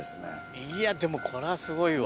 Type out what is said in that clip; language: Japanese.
いやでもこれはすごいわ。